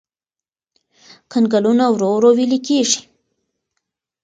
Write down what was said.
کنګلونه ورو ورو ويلي کېږي.